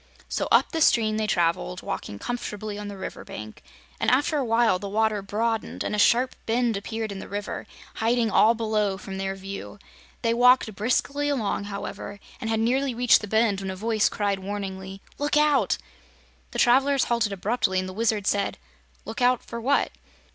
So up the stream they traveled, walking comfortably on the river bank, and after a while the water broadened and a sharp bend appeared in the river, hiding all below from their view. They walked briskly along, however, and had nearly reached the bend when a voice cried warningly: "Look out!" The travelers halted abruptly and the Wizard said: "Look out for what?"